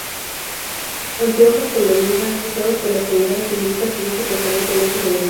Anteojos con manija, usados por las señoras"", indica su uso preferentemente femenino.